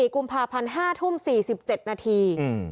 ๔กุมภาพันธ์๕ทุ่ม๔๗นาที